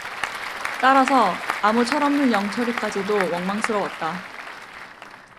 따라서 아무 철 없는 영철이까지도 원망스러웠다.